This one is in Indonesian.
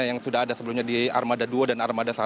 yang sudah ada sebelumnya di armada dua dan armada satu